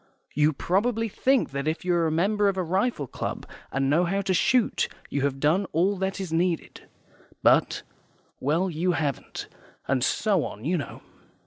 YOU PROBABLY THINK that if you are a member of a rifle club, and know how to shoot, you have done all that is needed. But well, you haven't, and so on, you know.